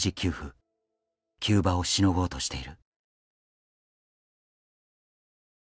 急場をしのごうとしている。